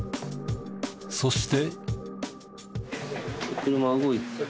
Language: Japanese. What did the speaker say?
そして。